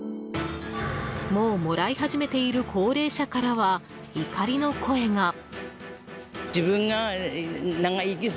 もうもらい始めている高齢者からは、怒りの声が。